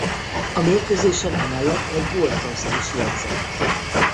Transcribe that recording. A mérkőzésen emellett egy gólpasszt is jegyzett.